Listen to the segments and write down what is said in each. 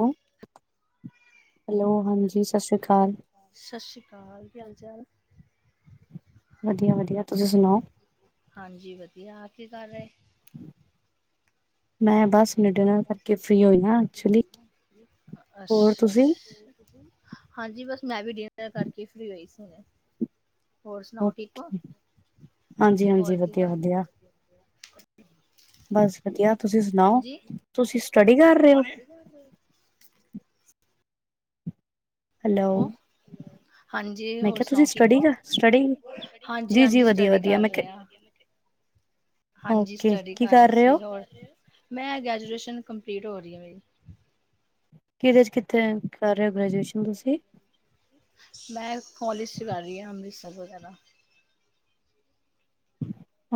ਹੋ, ਹੈਲੋ ਹਾਂਜੀ, ਸਤਿ ਸ਼੍ਰੀ ਅਕਾਲ। ਸਤਿ ਸ਼੍ਰੀ ਅਕਾਲ। ਕੀ ਹਾਲ-ਚਾਲ? ਵਧੀਆ ਵਧੀਆ। ਤੁਸੀਂ ਸੁਣਾਓ? ਹਾਂਜੀ ਵਧੀਆ, ਆਪ ਕੀ ਕਰ ਰਏ? ਮੈਂ ਬੱਸ ਮਿਡਲ ਹੋਰ ਅਸਾ਼ ਤੁਸੀਂ ਸ਼ [inaudible] ਹਾਂਜੀ, ਬਸ ਮੈਂ ਵੀ ਡਿਨਰ ਕਰਕੇ ਫ੍ਰੀ ਹੋਈ ਸੀ ਹੁਣੇ। ਹੋਰ ਸੁਣਾਓ, ਠੀਕ ਹੋ? ਹਾਂਜੀ ਹਾਂਜੀ ਹੋਰ ਕੀ ਵਧੀਆ ਕਰ ਵਧੀਆ ਬਸ ਵਧੀਆ, ਤੁਸੀਂ ਸੁਣਾਓ? ਤੁਸੀਂ ਸਟੱਡੀ ਕਰ ਰਏ ਔ? ਕੀ ਕਰ ਰਏ ਔ। ਹੈਲੋ ਹੋ, ਹਾਂਜੀ ਮੈਂ ਹੋਰ ਕਿਹਾ ਤੁਸੀਂ ਸੁਣਾਓ, ਠੀਕ ਸਟੱਡੀ ਹੋ? ਕਰ ਸਟੱਡੀ ਹਾਂਜੀ ਜੀ ਜੀ ਹਾਂਜੀ, ਵਧੀਆ ਸਟਡੀ ਵਧੀਆ ਕਰ ਮੈਂ ਰੇ ਕਿਹਾ ਆਂ। ਹਾਂਜੀ, ਓਕੇ ਸਟੱਡੀ ਕੀ ਕਰ ਰੇ ਰਹੇ ਹੋ ਸੀ। ਹੋਰ ਮੈਂ ਗ੍ਰੈਜੂਏਸ਼ਨ ਕੰਪਲੀਟ ਹੋ ਰੀ ਏ ਮੇਰੀ। ਕਿਦੇ 'ਚ ਕਿੱਥੇ ਕਰ ਰੇ ਔ ਗ੍ਰੈਜੂਏਸ਼ਨ ਤੁਸੀਂ? ਮੈਂ ਕੋਲਜ ਚੋ ਕੱਰ ਰਈ ਆਂ, ਅੰਮ੍ਰਿਤਸਰ ਵਗੈਰਾ।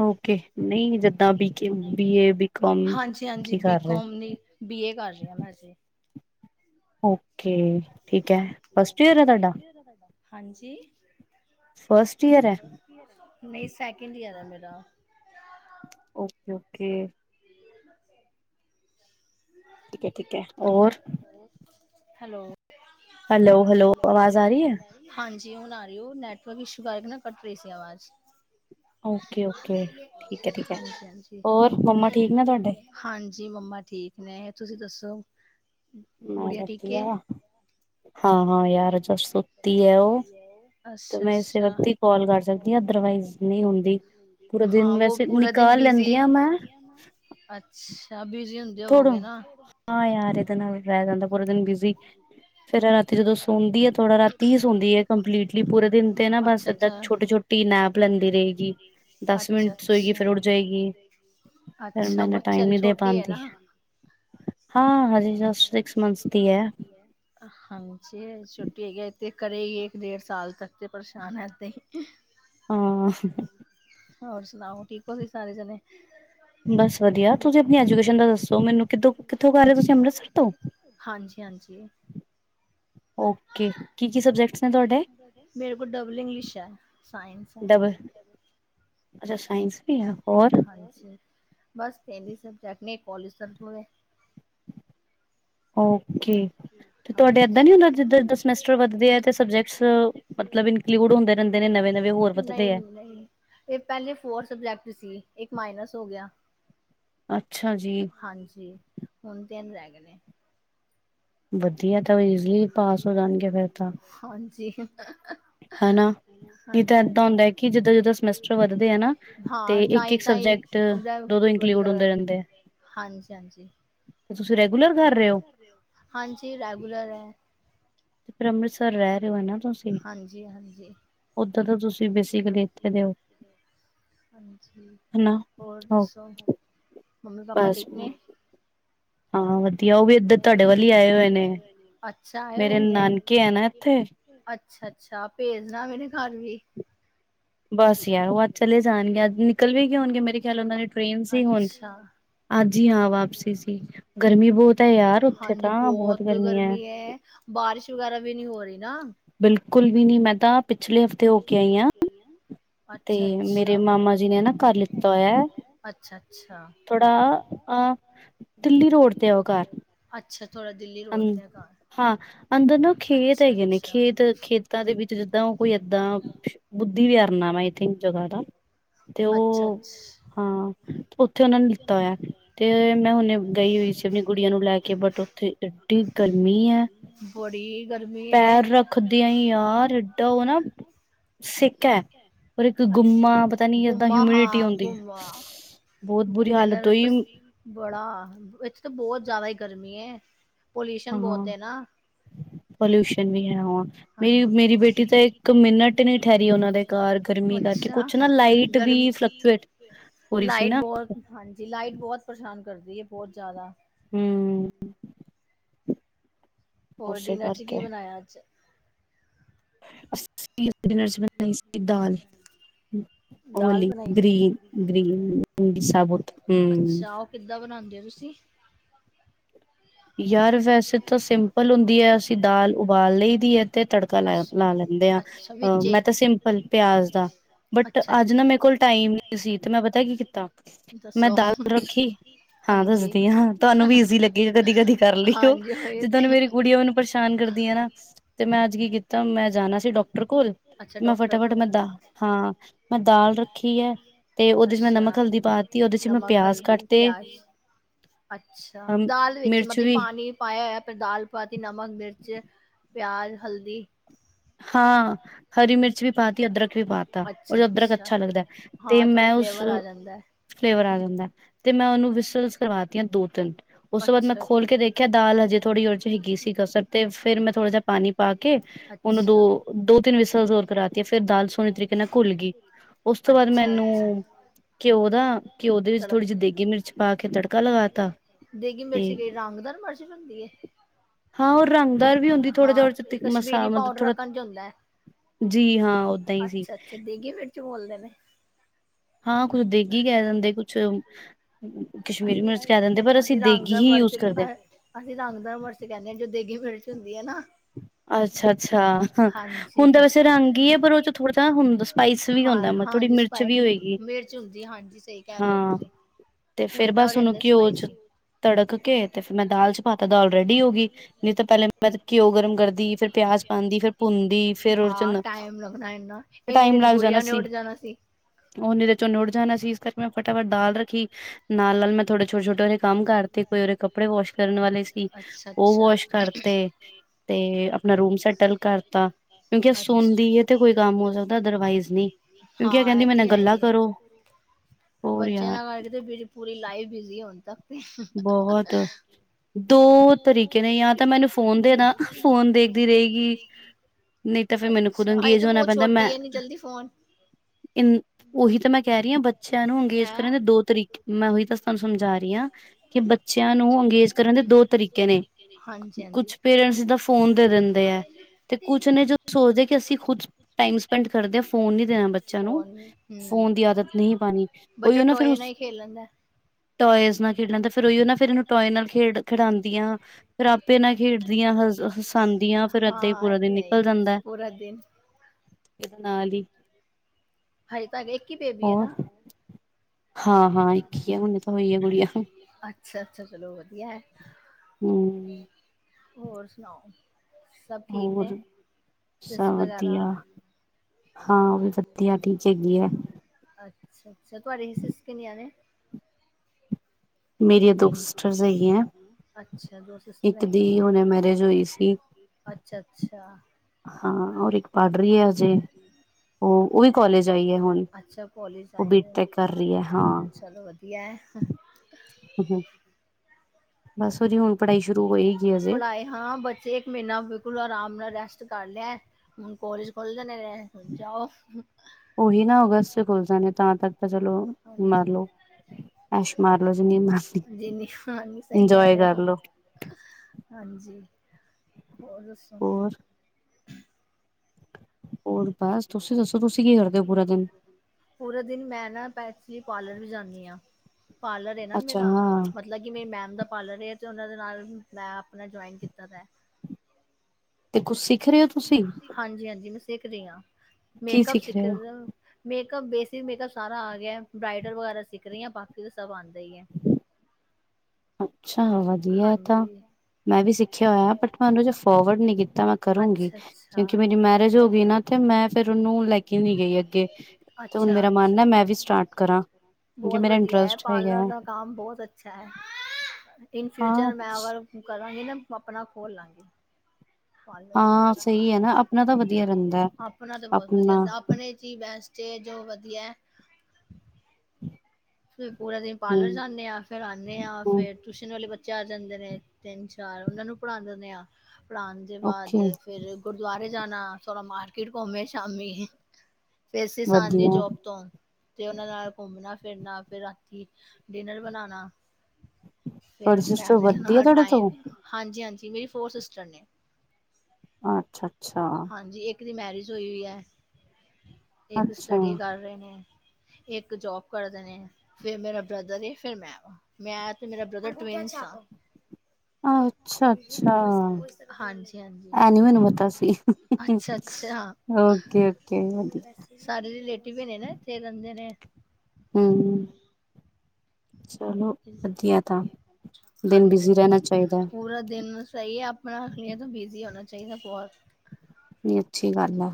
ਓਕੇ। ਨਹੀਂ ਜਿੱਦਾਂ ਬੀ ਬੀਏ ਬੀਕਮ ਹਾਂਜੀ-ਹਾਂਜੀ, ਕੀ ਕਰ ਰਹੇ ਬੀਕੋਮ ਨੀ। ਬੀ, ਏ ਕਰ ਰਹੀ ਆ। ਮੈਂ ਅਜੇ। ਓਕੇ, ਠੀਕ ਐ। ਫਸਟ ਈਅਰ ਏ ਤਾਡਾ? ਸੇ ਤਾਡਾ ਹਾਂਜੀ। ਫਸਟ ਈਅਰ ਐ? ਨਹੀਂ, ਸੈਕਿੰਡ ਈਅਰ ਐ। ਮੇਰਾ ਓਕੇ-ਓਕੇ। [unintelligible] ਠੀਕ ਐ ਠੀਕ ਐ। ਔਰ? ਹੈਲੋ। ਹੈਲੋ-ਹੈਲੋ, ਆਵਾਜ਼ ਆ ਰਹੀ ਐ? ਹਾਂਜੀ, ਹੁਣ ਆ ਰਹੀ, ਉ ਨੈਟਵਰਕ ਇਸ਼ੂ ਕਰਕੇ ਨਾ ਕੱਟ ਰਹੀ ਸੀ ਆਵਾਜ਼। ਓਕੇ ਓਕੇ ਠੀਕ ਹੈ ਠੀਕ ਹੈ ਹਾਂਜੀ, ਹੋਰ ਮੰਮਾ ਠੀਕ ਨੇ ਤੁਹਾਡੇ ਹਾਂਜੀ। ਹਾਂਜੀ, ਮੰਮਾ ਠੀਕ ਨੇ। ਤੁਸੀਂ ਦੱਸੋ, ਗੁੜੀਆਂ ਠੀਕ ਏ? ਹਾਂ-ਹਾਂ, ਯਾਰ ਜਬ ਸੋਤੀ ਐ ਓ, ਤੇ ਅੱਛਾ ਮੈਂ ਇਸੇ ਅੱਛਾ ਵਕਤੀ ਪੂਰਾ ਹਾਂ, ਦਿਨ ਓ ਵੈਸੇ ਪੂਰਾ ਦਿਨ ਨਿਕਾਲ ਲੈਂਦੀ ਬਿਜੀ ਹਾਂ ਮੈਂ ਅੱਛਾ, ਬਿਜੀ ਹੁੰਦ ਥੋੜੋ, ਹਾਂ ਯਾਰ ਐਦੇ ਨਾਲ ਰੈ ਜਾਂਦਾ ਪੂਰਾ ਦਿਨ ਬਿਜੀ। ਥੋੜਾ ਰਾਤੀ ਹੀ ਸੌਂਦੀ ਹੈ ਹਾਂਜੀ। ਕੰਪਲੀਟਲੀ ਪੂਰੇ ਦਿਨ ਤੇ ਨਾ ਬਸ ਏਦਾਂ ਅੱਛਾ-ਅੱਛਾ। ਛੋਟੀ ਛੋਟੀ ਨੈਪ ਲੈਂਦੀ ਰਹੇਗੀ ਦਸ ਮਿੰਟ ਸੋਏਗੀ ਅੱਛਾ-ਅੱਛਾ। ਫਿਰ ਉੱਠ ਜਾਏਗੀ ਫਿਰ ਮੈਂ ਅੱਛਾ, ਇੰਨਾ ਬੱਚਾ ਟਾਈਮ ਹਜੇ ਨਹੀਂ ਦੇ ਛੋਟੀ ਏ ਪਾਉਂਦੀ ਨਾ। ਹਾਂ, ਹਜੇ ਜਸਟ ਸਿਕਸ ਮੰਥਸ ਦੀ ਐ। ਐ। ਹਾਂਜੀ, ਹਜੇ ਛੋਟੀ ਹੈਗੀ ਏ, ਹਜੇ ਤੇ ਕਰੇ ਗੀ ਇੱਕ-ਡੇਢ ਸਾਲ ਤੱਕ ਤੇ ਪਰੇਸ਼ਾਨ ਐਦਾ ਹੀ। ਹਾਂ। ਹੋਰ, ਸੁਣਾਓ ਠੀਕ ਹੋ। ਤੁਸੀ ਸਾਰੇ ਜਣੇ? ਬਸ ਵਧੀਆ ਤੁਸੀਂ ਆਪਣੀ ਐਜੂਕੇਸ਼ਨ ਦਾ ਦੱਸੋ ਮੈਨੂੰ ਕਿੱਦੋਂ ਕਿੱਥੋਂ ਕਰ ਰਹੇ। ਤੁਸੀਂ ਅੰਮ੍ਰਿਤਸਰ ਤੋਂ ਹਾਂਜੀ, ਹਾਂਜੀ। ਓਕੇ ਕੀ ਕੀ ਸਬਜੈਕਟਸ ਨੇ ਤੁਹਾਡੇ ਮੇਰੇ ਕੋਲ ਡਬਲ ਇੰਗਲਸ਼ ਹੈ। ਸਾਇੰਸ ਹੈ। ਡਬਲ ਅੱਛਾ, ਸਾਇੰਸ ਵੀ ਆ ਹੋਰ ਹਾਂਜੀ, ਬਸ ਇਨੇ ਸਬਜੈਕਟ ਨੇ [inaudible] ਓਕੇ ਅਤੇ ਤੁਹਾਡੇ ਹਾਂਜੀ। ਇੱਦਾਂ ਨਹੀਂ ਹੁੰਦਾ ਜਿੱਦਾਂ, ਜਿੱਦਾਂ ਸਮੈਸਟਰ ਵੱਧਦੇ ਆ ਅਤੇ ਸਬਜੈਕਟਸ ਮਤਲਬ, ਇਨਕਲੂਡ ਹੁੰਦੇ ਰਹਿੰਦੇ ਨੇ ਨਵੇਂ-ਨਵੇਂ ਹੋਰ ਨਹੀਂ ਵੱਧਦੇ ਹੈ। ਨਹੀਂ। ਇਹ ਪਹਿਲੇ ਫੋਰ ਸਬਜੈਕਟ ਸੀ। ਇੱਕ ਮਾਈਨਸ ਹੋ ਗਿਆ। ਅੱਛਾ, ਜੀ। ਹਾਂਜੀ, ਹੁਣ ਤਿੰਨ ਰਹਿ ਗਏ ਨੇ। ਵਧੀਆ, ਤਾਂ ਉਹ ਈਜ਼ਲੀ ਪਾਸ ਹੋ ਜਾਣਗੇ ਫੇਰ ਤਾਂ। ਹਾਂਜੀ। ਹਨਾ। ਨਹੀਂ ਤਾਂ ਹਾਂਜੀ, ਏਦਾਂ ਹਾਂਜੀ ਹੁੰਦਾ ਹੈ ਕਿ ਜਿੱਦਾਂ ਜਿੱਦਾਂ ਸਮੈਸਟਰ ਵੱਧਦੇ ਆ ਨਾ ਹਾਂ, ਤੇ ਇੱਕ ਇੱਕ ਤਾਂਏ-ਤਾਂਏ। ਸਬਜੈਕਟ ਹਾਂਜੀ- ਦੋ ਦੋ ਇੰਕਲੂਡ ਹੁੰਦੇ ਰਹਿੰਦੇ ਹਾਂਜੀ। ਤੁਸੀ ਰੈਗੂਲਰ--ਕਰਦੇ ਓ ਹਾਂਜੀ ਰੈਗੂਲਰ ਹੈ। ਤੇ ਫਿਰ ਅੰਮ੍ਰਿਤਸਰ ਰੈ ਰਹੇ ਹੋ ਨਾ ਤੁਸੀਂ। ਹਾਂਜੀ ਹਾਂਜੀ ਓਦਾਂ ਤਾਂ ਤੁਸੀਂ ਬੇਸਿਕਲੀ ਇੱਥੇ ਦੇਓ। ਹਾਂਜੀ ਹੋਰ ਹੋ ਦੱਸੋ ਮੰਮੀ ਪਾਪਾ ਬਸ ਠੀਕ ਮੈਂ ਨੇ? ਹਾਂ ਵਧੀਆ ਉਹ ਇੱਧਰ ਓ ਵੀ ਵੱਲ ਇਧਰ ਹੀ ਤੁਹਾਡੇ ਵਲ ਆਏ ਹੋਏ ਨੇ ਅਛਾ ਆਏ ਹੋਏ ਨੇ। ਮੇਰੇ ਆ ਨਾ ਨਾਨਕੇ ਐ ਇੱਥੇ ਅੱਛਾ, ਅੱਛਾ ਭੇਜਣਾ ਮੇਰੇ ਘਰ ਵੀ। ਬਸ ਯਾਰ ਉਹ ਅੱਜ ਚਲੇ ਜਾਣਗੇ। ਅੱਜ ਨਿਕਲ ਵੀ ਗ ਹੋਣਗੇ ਮੇਰੇ ਖਿਆਲ ਉਹਨਾਂ ਦੀ ਟ੍ਰੇਨ ਸੀ ਹੁਣ। ਅੱਛਾ ਅੱਜ ਹੀ ਹਾਂ ਵਾਪਸੀ ਸੀ। ਗਰਮੀ ਬੋਤ ਹੈ ਯਾਰ ਉੱਥੇ ਤਾਂ ਬੋਤ ਗਰਮੀ ਹੈ। ਤੇ ਬਾਰਿਸ਼ ਵਗੈਰਾ ਵੀ ਨਹੀਂ ਹੋ ਰਹੀ ਨਾ। ਬਿਲਕੁਲ ਵੀ ਨਹੀਂ ਮੈਂ ਤਾਂ ਪਿਛਲੇ ਹਫ਼ਤੇ ਹੋ ਕੇ ਆਈ ਹਾਂ। ਤੇ ਅੱਛਾ, ਮੇਰੇ ਅੱਛਾ, ਮਾਮਾ ਜੀ ਨੇ ਨਾ ਘਰ ਲਿੱਤਾ ਹੋਇਆ ਅੱਛਾ, ਅੱਛਾ। ਥੋੜਾ ਅ ਦਿੱਲੀ ਰੋਡ ਤੇ ਆ ਉਹ ਘਰ। ਅੱਛਾ ਥੋੜਾ ਦਿੱਲੀ ਰੋਡ ਤੇ ਘਰ ਹਾਂ ਅੰਦਰ ਨਾ ਖੇਤ ਅੱਛਾ ਹੈਗੇ ਨੇ ਅੱਛਾ ਖੇਤ, ਖੇਤ ਦੇ ਵਿੱਚ ਜਿੱਦਾਂ ਕੋਈ ਏਦਾਂ ਬੁੱਧੀਵਿਆਰ ਨਾ ਵਾ ਆਈ ਥਿੰਕ ਜਗ੍ਹਾ ਦਾ। ਤੇ ਅੱਛਾ ਉਹ ਅੱਛਾ ਹਾਂ ਉੱਥੇ ਉਹਨਾਂ ਨੇ ਲਿੱਤਾ ਹੋਇਆ। ਤੇ ਮੈਂ ਹੁਣੇ ਗਈ ਹੋਈ ਸੀ। ਆਪਣੀ ਗੁੜੀਆਂ ਨੂੰ ਲੈ ਕੇ ਬਟ ਉੱਥੇ ਐਡੀ ਗਰਮੀ ਹੈ। ਬੜੀ ਗਰਮੀ ਹੈ ਪੈਰ ਰੱਖਦਿਆਂ ਹੀ ਯਾਰ ਏਡਾ ਉਹ ਨਾ ਸੇਕਾ ਹੈ ਪਰ ਇੱਕ ਅੱਛ ਗੁੰਮਾ ਪਤਾ ਨੀ ਏਦਾਂ ਗੁੰਮਾ ਹਿਊਮਿਨਿਟੀ ਹਾਂ ਹੁੰਦੀ। ਗੁੰਮਾ ਬੋਤ ਬੁਰੀ ਗੁੰਮੇ ਹਾਲਤ ਨਾਲ ਹੋਈ। ਪਸ ਬੜਾ ਇੱਥੇ ਤਾਂ ਬੋਤ ਜ਼ਿਆਦਾ ਹੀ ਗਰਮੀ ਹੈ ਪੋਲਿਊਸ਼ਨ ਹਾਂ ਬੋਤ ਨਾ [inaudible] ਪੋਲਿਊਸ਼ਨ ਵੀ ਹੈ ਵਾਂ ਮੇਰੀ ਮੇਰੀ ਬੇਟੀ ਤਾਂ ਇੱਕ ਮਿੰਨਟ ਨੀ ਠੈਰੀ ਹਾਂਜੀ ਉਹਨਾਂ ਦੇ ਘਰ ਗਰਮੀ ਕਰਕੇ ਅੱਛਾ ਕੁਛ ਨਾ ਲਾਈਟ ਗਰਮ ਵੀ ਫਲਕਚੁਏਟ ਹੋ ਰਹੀ ਸੀ ਲਾਈਟ ਨਾ। ਬਹੁਤ ਹਾਂਜੀ ਲਾਈਟ ਬੋਤ ਪਰੇਸ਼ਾਨ ਕਰਦੀ ਹੈ ਬੋਤ ਜ਼ਿਆਦਾ। ਹਮ ਹੋਰ ਉਸੇ ਡਿਨਰ ਚ ਕਰਕੇ ਕੀ ਬਣਾਇਆ ਅੱਜ। ਡਿਨਰ ਚ ਬਣਾਈ ਸੀ ਦਾਲ। ਦਾਲ ਓਹਲੀ ਬਣਾਈ ਸੀ ਗ੍ਰੀਨ ਮੂਗੀ ਸਾਬਤ ਹ। ਅੱਛਾ ਉਹ ਕਿੱਦਾਂ ਬਣਾਂਦੇ ਹੋ ਤੁਸੀਂ। ਯਾਰ ਵੈਸੇ ਤਾਂ ਸਿੰਪਲ ਹੁੰਦੀ ਹੈ ਅਸੀਂ ਦਾਲ ਉਬਾਲ ਲਈ ਦੀ ਹੈ ਤੇ ਤੜਕਾ ਲੈ ਅੱਛਾ ਲਾ ਲੈਂਦੇ ਆ, ਅੱਛਾ ਅਹ ਵਿੱਚੇ ਮੈਂ ਹੀ ਤਾਂ ਸਿੰਪਲ ਪਿਆਜ ਦਾ, ਬਟ ਅੱਛਾ ਅੱਜ ਨਾ ਮੈਂ ਰੇ ਕੋਲ ਟਾਈਮ ਨੀ ਸੀ ਤੇ ਮੈਂ ਪਤਾ ਕੀ ਕੀਤਾ ਅੱਛਾ ਮੈਂ ਦੱਸੋ ਦਾਲ ਰੱਖੀ, ਹਾਂ ਹਾਂਜੀ ਦੱਸਦੀ ਹਾਂ ਤੁਹਾਨੂੰ ਵੀ ਈਜ਼ੀ ਲੱਗੇ ਕਦੀ ਕਦੀ ਕਰ ਲਈਓ, ਹਾਂਜੀ ਹੋਏ ਤੇ ਜਿੱਦਣ ਮੇਰੀ ਕੁੜੀਆ ਮੈਨੂੰ ਪਰੇਸ਼ਾਨ ਕਰਦੀ ਆ ਨਾ ਤੇ ਮੈਂ ਅੱਜ ਕੀ ਕੀਤਾ ਤਾਂ ਮੈਂ ਜਾਣਾ ਸੀ ਡਾਕਟਰ ਕੋਲ, ਅੱਛਾ ਮੈਂ ਡਾਕਟਰ ਫਟਾਫਟ ਕੋਲ ਮੈਂ ਦ ਜਾਣਾ ਹਾਂ ਮੈਂ ਦਾਲ ਰੱਖੀ ਐ ਤੇ ਉਹਦੇ ਚ ਮੈਂ ਨਮਕ, ਅੱਛਾ ਹਲਦੀ ਪਾਤੀ ਉਹਦੇ ਚ ਮੈਂ ਨਮਕ ਪਿਆਜ਼ ਕੱਟ ਹਲਦੀ ਤੇ, ਪਿਆਜ ਅੱਛਾ ਅ ਦਾਲ ਵਿੱਚ ਮਤਲਬ ਪਾਣੀ ਪਾਇਆ ਹੋਇਆ ਦਾਲ ਪਾਤੀ, ਨਮਕ, ਮਿਰਚ, ਪਿਆਜ, ਹਲਦੀ ਹਾਂ ਹਰੀ ਮਿਰਚ ਵੀ ਪਾ ਤੀ, ਅਦਰਕ ਵੀ ਪਾ ਤਾ, ਉਹਦੇ ਚ ਅਦਰਕ ਅੱਛਾ ਲੱਗਦਾ। ਤੇ ਹਾਂ ਚਲੋ ਮੈਂ ਉਸ ਫਲੇਵਰ ਆ ਜਾਂਦਾ। ਫਲੇਵਰ ਆ ਜਾਂਦਾ ਤੇ ਮੈਂ ਉਹਨੂੰ ਵਿਸਲਸ ਕਰਵਾਤੀਆਂ ਦੋ ਤਿੰਨ, ਉਸ ਤੋਂ ਬਾਅਦ ਮੈਂ ਅੱਛਾ ਖੋਲ ਕੇ ਦੇਖ ਦੇਖਿਆ ਦਾਲ ਹਜੇ ਥੋੜੀ ਉਹ ਚ ਹੈਗੀ ਸੀ ਕਸਰ ਤੇ ਫੇਰ ਮੈਂ ਥੋੜ੍ਹਾ ਜਿਹਾ ਪਾਣੀ ਪਾ ਕੇ ਅੱਛਾ ਉਹਨੂੰ ਦੋ ਅੱਛਾ ਦੋ ਤਿੰਨ ਵਿਸਲਸ ਹੋਰ ਕਰਾਤੀਆ, ਫੇਰ ਦਾਲ ਸੋਣੇ ਤਰੀਕੇ ਨਾਲ ਘੁੱਲ ਗਈ। ਉਸ ਤੋਂ ਬਾਦ ਅੱਛਾ ਮੈਨੂੰ ਘਿਓ ਦਾ, ਘਿਓ ਦੇ ਵਿੱਚ ਤੜ ਥੋੜ੍ਹੀ ਜੀ ਦੇਗੀ ਮਿਰਚ ਪਾ ਕੇ ਤੜਕਾ ਲਗਾ ਤਾ ਤੇ ਚ ਹੁੰਦੀ ਏ, ਹਾਂ ਉਹ ਓ ਰੰਗਦਾਰ ਵੀ ਪੈੰਦਾ ਹੁੰਦੀ ਥੋੜਾ ਜਿਹਾ ਹਾਂ ਉਹਦੇ ਚ ਮਸਾ ਕਸ਼ਮੀਰੀ ਮਤਲਬ ਪਾਊਡਰ ਥੋੜਾ ਕੰਜ ਹੁੰਦਾ ਐ, ਜੀ ਹਾਂ ਓਦਾਂ ਹੀ ਸੀ ਅੱਛਾ-ਅੱਛਾ ਦੇਗੀ ਮਿਰਚ ਬੋਲਦੇ ਨੇ। ਹਾਂ ਓ ਤੇ ਦੇਗੀ ਕੈ ਦਿੰਦੇ ਨੇ ਬਿਲਕੁਲ, ਕਸ਼ਮੀਰੀ ਮਿਰਚ ਕਹਿ ਦਿੰਦੇ ਪਰ ਅਸੀਂ ਅਸੀ-ਅਸੀ ਦੇਗੀ ਰੰਗਦਾਰ ਹੀ ਮਿਰਚ ਯੂਜ ਕਰਦੇ ਅ ਅਸੀਂ ਰੰਗਦਾਰ ਮਿਰਚ ਕੈਂਦੇ ਆ ਜੋ ਦੇਗੀ ਮਿਰਚ ਹੁੰਦੀ ਐ ਨਾ ਅੱਛਾ-ਅੱਛਾ, ਹਾਂਜੀ ਹੁੰਦਾ ਤਾ ਵੈਸੇ ਹੀ ਹੈ ਰੰਗ ਉਹ ਈ ਚ ਐ ਪਰ ਥੋੜਾ ਜਾ ਹੁੰਦਾ [unintelligible] ਸਪਾਈਸ ਵੀ ਹਾਂ ਹੁੰਦਾ ਮਤਲਬ ਥੋੜੀ ਹਾਂਜੀ ਮਿਰਚ ਵੀ ਸਪਾਇਸ ਹੋਏਗੀ ਮਿਰਚ ਹੁੰਦੀ ਏ ਹਾਂਜੀ, ਸਈ ਕੈ ਰਏ ਓਂ ਹਾਂ ਤੁਸੀਂ। ਤੇ ਫੇਰ ਹੁੰਦਾ ਬਸ ਉਹਦੇ ਓਨੂੰ ਅੰਦਰ ਘਿਓ ਚ ਸਪਾਈਸੀ ਤੜਕ ਕੇ ਤੇ ਫਿਰ ਮੈਂ ਦਾਲ ਚ ਪਾਤਾ ਦਾਲ ਰੈਡੀ ਹੋ ਗਈ, ਨਈ ਤਾਂ ਪੈਲੇ ਮੈਂ ਤੇ ਘਿਓ ਗਰਮ ਕਰਦੀ ਫੇਰ ਪਿਆਜ਼ ਪਾਂਦੀ ਫੇਰ ਭੁੰਨਦੀ ਫੇਰ ਓਦੇ ਹਾਂ ਚ ਟਾਈਮ ਲੱਗਣਾ ਇੰਨਾ ਇੰਨੀ ਟਾਈਮ ਦੇਰ ਲੱਗ ਜਾਨਾ ਗੁੜੀਆਂ ਨੇ ਸੀ। ਉੱਠ ਜਾਣਾ ਓਨੇ ਚਿਰ ਚ ਓਨੇ ਉੱਠ ਜਾਨਾ ਸੀ ਇਸ ਕਰਕੇ ਮੈਂ ਫਟਾਫਟ ਦਾਲ ਰੱਖੀ। ਨਾਲ ਨਾਲ ਨਾਲ-ਨਾਲ ਥੋੜੇ ਮੈਂ ਛੋਟੇ ਛੋਟੇ ਉਹਦੇ ਛੋਟਾ-ਛੋਟਾ ਜਾ ਕੰਮ ਕਰਤੇ ਕੋਈ ਉਹਦੇ ਕਰਦੀ, ਸਵੇਰੇ ਉੱਠ ਕੇ ਕੱਪੜੇ ਕਰਨ ਵਾਸ਼ ਵਾਲੇ ਕਰਨੇ, ਸੀ ਉਹ ਅੱਛਾ-ਅੱਛਾ ਵਾਸ਼ [unintelligible] ਤੇ-ਤੇ ਕਰਤੇ ਫੇਰ ਤੇ ਆਪਣਾ ਰੂਮ ਮੈਂ ਸੈਟਲ ਗੱਦਾ ਵੀ ਕਰਤਾ ਝਾਰਤਾ, ਕਿਉਂਕਿ ਅੱਛਾ ਜੇ ਸੌਦੀ ਹੈ ਸੌਂਦੀ ਕੋਈ ਏ ਤੇ ਫਿਰ ਹੋ ਕੰਮ ਸਕਦਾ ਮੁੱਕਦਾ ਓਦਾਂ ਅਦਰਵਾਈਜ਼ ਨਹੀਂ ਨਈ। ਕਿਉਂਕਿ ਇਹ ਹਾਂ ਕਹਿੰਦੀ ਐਹ ਮੇਰੇ ਨਾਲ ਤੇ ਹੈ ਹੀ ਏ, ਮੇਰੇ ਨਾਲ ਗੱਲਾਂ ਕਰੋ, ਹੋਰ ਬੱਚਿਆਂ ਯਾਰ ਨਾਲ [unintelligible] ਪੂਰੀ ਲਾਈਫ ਬਿਜੀ ਐ ਹੁਨ ਤਾਂ। ਬਹੁਤ ਦੋ ਤਰੀਕੇ ਨੇ ਜਾਂ ਤਾਂ ਮੈ ਏਨੂੰ ਫ਼ੋਨ ਦੇਦਾ, ਫ਼ੋਨ ਦੇਖਦੀ ਰਏਗੀ। ਨਈ ਤਾ ਫੇਰ ਮੈਨੂੰ ਖੁਦ ਅੱਛਾ ਹਜੇ ਅੰਗੇਜ ਤਾਂ ਹੋਨਾ ਬਹੁਤ ਪੈਂਦਾ ਮੈਂ ਛੋਟੀ ਹੈ ਇੰਨੀ ਜਲਦੀ ਫੋਨ ਇ ਓਹੀ ਤਾਂ ਮੈਂ ਕੈ ਰਈ ਆਂ ਬੱਚਿਆਂ ਨੂੰ ਅੰਗੇਜ ਹੈਂ ਕਰਨ ਦੇ ਦੋ ਤਰੀਕੇ, ਮੈਂ ਓਹੀ ਤਾਂ ਤਾਨੂੰ ਸਮਝਾ ਰਈ ਆ। ਕੇ ਬੱਚਿਆਂ ਨੂੰ ਅੰਗੇਜ ਕਰਨ ਦੇ ਦੋ ਦੋ ਤਰੀਕੇ ਨੇ, ਕੁਛ ਪੇਰੈਂਟਸ ਤਾਂ ਫੋਨ ਦੇ ਦਿੰਦੇ ਐ, ਤੇ ਕੁਛ ਨੇ ਜੋ ਸੋਚਦੇ ਏ ਕੇ ਅਸੀਂ ਖੁਦ ਟਾਈਮ ਸਪੈਂਡ ਕਰਦੇ ਆ ਫੋਨ ਨੀ ਦੇਨਾ ਬੱਚਿਆਂ ਨੂੰ, ਫੋਨ ਹੂੰ ਫੋਨ ਦੀ ਆਦਤ ਨਈ ਪਾਨੀ। ਬੱਚਾ ਟੋਆਏ ਨਾਲ ਈ ਖੇਲ ਲੈਂਦਾ। ਟੋਏਜ਼ ਨਾਲ ਖੇਡ ਲੈਂਦਾ ਫਿਰ ਓਹੀਓ ਨਾ ਫੇਰ ਓਨੂੰ ਟੋਆਏ ਨਾਲ ਖੇਡ ਖਿਡਾਂਂਦੀਆਂ, ਫੇਰ ਆਪੇ ਨਾਲ ਖੇਡਦੀਆਂ ਹ ਹਸਾਂਦੀਆਂ, ਪੂਰਾ ਫੇਰ ਏਦਾਂ ਈ ਹਾਂ ਇਹ ਪੂਰਾ ਦਿਨ ਤੇ ਹੈ ਨਿਕਲ ਜਾਂਦੈ। ਹੀ ਪੂਰਾ ਦਿਨ ਏਦੇ ਨਾਲ ਦੀ ਹਜੇ ਤੱਕ ਇੱਕ ਈ ਬੇਬੀ ਏ ਹੋਰ ਨਾ। ਹਾਂ ਹਾਂ ਇੱਕ ਹੀ ਹਾਂ-ਹਾਂ, ਆ ਹੁਣੇ ਤਾਂ ਹੋਈ ਆ ਗੁੜੀਆ ਅੱਛਾ-ਅੱਛਾ ਚਲੋ ਵਦੀਆ ਐ। ਹੂੰ। ਹੋਰ ਸਨਾਓ, ਸਭ ਠੀਕ ਨੇ, ਹੋਰ ਸਿਸ ਸਭ ਵਗੈਰਾ ਵਧੀਆ ਹਾਂ ਓ ਵੀ ਵ ਓ ਵੀ ਠੀਕ ਨੇ, ਅੱਛਾ-ਅੱਛਾ ਤੁਆਡੇ ਈ ਸਿਸ ਕਿੰਨੀਆਂ ਨੇ। ਮੇਰੀਆਂ ਦੋ ਸਿਸਟਰਜ਼ ਹੈਗੀਆਂ, ਅੱਛਾ ਦੋ ਇੱਕ ਦੀ ਹੁਨੇ ਮੈਰਿਜ ਹੋਈ ਸੀ। ਅੱਛਾ-ਅੱਛਾ। ਹਾਂ ਔਰ ਇੱਕ ਪੜ ਰੀ ਏ ਅਜੇ। ਮੈਂ ਕੋਲਜ ਆਈ ਹੋਈ ਆਂ ਅੱਛਾ ਕੋਲਜ ਉਹ ਆਏ ਹੋਏ ਬੀਟੈਕ ਕਰ ਰਹੀ ਹੈ ਓਂ ਹਾਂ ਚਲੋ ਵਦੀ ਕੀ ਐ ਉਹੂੰ ਬਸ ਓਦੀ ਹੁਨ ਬਨਾਏ। ਹਾਂ ਬੱਚੇ ਇੱਕ ਮੀਨਾ ਬਿਲਕੁਲ ਆਰਾਮ ਨਾਲ ਰੈਸਟ ਕਰ ਲਿਆ ਐ, ਹੁਨ ਕੋਲਜ ਖੋਲ੍ਹ ਜਾਨੇ ਨੇ। ਜਾਓ ਓਹੀ ਨਾ ਅਗਸਤ ਚ ਖੁੱਲ ਜਾਂਦੇ ਨੇ ਤਾਂ ਤੱਕ ਤਾਂ ਚਲੋ ਹਾਂਜੀ ਮਾਰਲੋ ਐਸ਼ ਮਾਰ ਲੋੋ ਜੀਨੀ ਹੀਂ ਮਾਰਜੀ, ਜੀ ਨੀ ਹਾਂਜੀ ਸਹੀ ਕਹਿ ਇੰਜੋਏ ਰਹੇ ਹੋ ਕਰਲੋ ਹਾਂਜੀ, ਹੋਰ ਦੱਸੋ? ਹੋਰ ਹੋਰ ਬਸ, ਤੁਸੀਂ ਦੱਸੋ, ਤੁਸੀਂ ਕੀ ਕਰਦੇ ਹੋ ਪੂਰਾ ਦਿਨ? ਪੂਰਾ ਦਿਨ ਮੈਂ ਨਾ, ਐਕਚੁਲੀ ਪਾਰਲਰ ਵੀ ਜਾਂਨੀ ਹਾਂ। ਪਾਰਲਰ ਹੈ ਨਾ ਅੱਛਾ ਮੇਰਾ ਹਾਂ ਮਤਲਬ ਕਿ ਮੇਰੇ ਮੈਮ ਦਾ ਪਾਰਲਰ ਹੈ, ਅਤੇ ਉਹਨਾਂ ਦੇ ਨਾਲ ਮੈਂ ਆਪਣਾ ਜੋਇਨ ਕੀਤਾ ਦਾਏ। ਤੇ ਕੁਛ ਸਿੱਖ ਰਹੇ ਹੋ ਤੁਸੀਂ ਹਾਂਜੀ ਹਾਂਜੀ, ਮੈਂ ਸਿੱਖ ਰਹੀ ਹਾਂ, ਕੀ ਮੇਕਅਪ ਰਹੇ ਸਿੱਖ ਹੋ ਮੇਕਅਪ ਬੇਸਿਕ ਮੇਕਅਪ ਸਾਰਾ ਆ ਗਿਆ ਐ, ਬ੍ਰਰਾਡਲ ਵਗੈਰਾ ਸਿੱਖ ਰਹੀ ਆ, ਬਾਕੀ ਤਾਂ ਸਭ ਆਂਦਾ ਹੀ ਹੈ। [inaudible] ਅੱਛਾ ਵਧੀਆ ਤਾਂ, ਹਾਂਜੀ ਮੈਂ ਵੀ ਸਿੱਖਿਆ ਹੋਇਆ, ਬਟ ਮੈਂ ਉਹਨੂੰ ਹਜੇ ਫੋਰਵਰਡ ਨਹੀਂ ਕੀਤਾ ਮੈਂ ਕਰੂੰਗੀ, ਅੱਛਾ ਅੱਛਾ ਕਿਉਂਕਿ ਮੇਰੀ ਮੈਰਿਜ ਹੋ ਗਈ ਨਾ, ਤੇ ਮੈਂ ਫੇਰ ਉਹਨੂੰ ਲੈ ਕੇ ਨੀ ਗਈ ਅੱਗੇ। ਅ ਤੇ ਹੁਣ ਮੇਰਾ ਮਨ ਹੈ ਮੈਂ ਵੀ ਸਟਾਰਟ ਕਰਾਂ ਕਿਉਂਕਿ ਬਤ ਮੇਰਾ ਵਧਆ, ਆ ਇੰਟਰਸਟ ਹੈਗਾ ਪਾਰਰ ਦਾ ਕੰਮ ਬਤ [unintelligible] ਇਨ ਫਿਊਚਰ ਹਾਂ ਮੈਂ ਅਗਰ ਕਰਾਂਗੀ ਨਾ, ਆਪਣਾ ਖੋਲ ਲਵਾਂਗੀ। ਹਾਂ ਵੈ ਸਹੀ ਹੈ ਨਾ ਆਪਣਾ ਤਾਂ ਵਧੀਆ ਰਹਿੰਦਾ ਆਪਣਾ ਤੇ ਬਹੁਤ ਵਧੀਆ ਆਪਣਾ ਹੁੰਦਾ, ਆਪਣੇ 'ਚ ਹੀ ਬੈਸਟ ਤੇ, ਜੋ ਵਧੀਆ ਐ। ਹਮ [inaudible] ਪੂਰਾ ਦਿਨ ਪਾਰਲਰ ਜਾਂਦੇ ਆ। ਤੇ ਆਨੇਹਾਂ, ਹੂੰ ਫੇਰ ਟਿਊਸ਼ਨ ਵਾਲੇ ਬੱਚੇ ਆ ਜਾਂਦੇ ਨੇ ਤਿੰਨ ਚਾਰ, ਉਹਨਾਂ ਨੂੰ ਪੜ੍ਹਾ ਦਿੰਦੇ ਆਾਂ ਪੜਉਣ ਦੇ ਬਾਅਦ ਓਕੇ ਫਿਰ ਗੁਰੂਦੁਆਰੇ ਜਾਣਾ, ਥੋੜਾ ਮਾਰਕੀਟ ਘੁੰਮ ਆਏ ਸ਼ਾਮੀ ਫੇਰ ਅਸੀਸ ਆਂਦੀ ਐ ਵਧੀਆ ਜੋਬ ਤੋਂ, ਤੇ ਉਹਨਾਂ ਨਾਲ ਘੁੰਮਣਾ ਫੀਰ ਫਿਰਨਾ, ਫਿਰ ਰਾਤੀ ਡਿਨਰ ਬਣਾਉਣਾ ਤੁਹਾਡੀ ਫ਼ੇਰ ਸਿਸਟਰ ਫੈਮਲੀ ਦੇ ਵੱਡੀ ਆ ਨਾਲ ਤੁਹਾਡੇ ਟਾਈਮ, ਤੋਂ ਹਾਂਜੀ ਹਾਂਜੀ, ਮੇਰੀ ਫੋਰ ਸਿਸਟਰ ਨੇ ਅੱਛਾ, ਅੱਛਾ। ਹਾਂਜੀ, ਇੱਕ ਦੀ ਮੈਰਿਜ ਹੋਈ ਹੋਈ ਹੈ, ਇੱਕ ਅੱਛਾ ਸਟੱਡੀ ਕਰ ਰਹੇ ਨੇ ਇੱਕ ਜੋਬ ਕਰਦੇ ਨੇ, ਫੇਰ ਮੇਰਾ ਬ੍ਰਦਰ ਐ, ਫੇਰ ਮੈਂ ਵਾ ਮੈਂ ਤੇ ਮੇਰਾ ਬ੍ਰਦਰ ਟਵਿਟਸ ਆ। ਅੱਛਾ ਅੱਛਾ ਹਾਂਜੀ ਹਾਂਜੀ। ਐ ਨੀ ਮੈਨੂੰ ਪਤਾ ਸੀ ਅੱਛਾ ਅੱਛਾ ਓਕੇ ਓਕੇ, ਵਧੀਆ ਸਾਰੇ ਰਿਲੇਟਿਵ ਵੀ ਨੇ ਨਾ, ਇੱਥੇ ਰਹਿੰਦੇ ਨੇ ਹਮਮਮ। [inaudible] ਵਧੀਆ ਤਾਂ ਦਿਨ ਹਾਂਜੀ, ਬਿਜ਼ੀ ਰਹਿਣਾ ਚਾਹੀਦਾ ਹੈ ਪੂਰਾ ਦਿਨ ਸਹੀ ਹੈ ਆਪ ਮਣਾੱਖਣੀ ਆ ਤਾਂ, ਬਿਜ਼ੀ ਹੋਣਾ ਚਾਹੀਦਾ ਬਹੁਤ ਨਹੀਂ ਅੱਛੀ ਗੱਲ ਆ,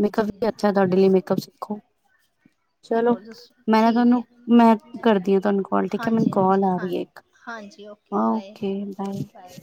ਮੇਕਅੱਪ ਵੀ ਅੱਛਾ ਤੁਹਾਡੇ ਲਈ, ਮੇਕਅੱਪ ਸਿੱਖੋ। [inaudible] ਚਲੋ ਹੋਰ ਦੱਸੋ? ਮੈਂ ਨਾ ਠੀਕ ਤੁਹਾਨੂੰ ਹੈ, ਮੈਂ ਕਰਦੀ ਹਾਂ ਤੁਹਾਨੂੰ ਕਾਲ ਠੀਕ ਹੈ ਮੈਨੂੰ ਹਾਂਜੀ ਹਾਂਜੀ ਕਾਲ ਆ ਹਾਂ ਰਹੀ ਹੈ ਇੱਕ ਹਾਂਜੀ, ਓਕੇ ਬਾਏ, ਬਾਏ।